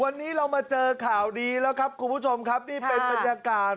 วันนี้เรามาเจอข่าวดีแล้วครับคุณผู้ชมครับนี่เป็นบรรยากาศ